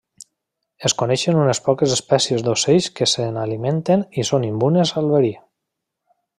Es coneixen unes poques espècies d'ocells que se n'alimenten i són immunes al verí.